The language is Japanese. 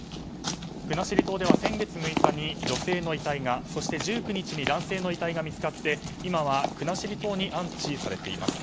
国後島では先月６日に女性の遺体がそして１９日に男性の遺体が見つかって今は国後島に安置されています。